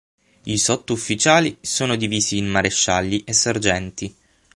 I sottufficiali sono divisi in marescialli e sergenti.